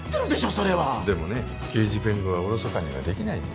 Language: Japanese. それはでもね刑事弁護はおろそかにはできないんだ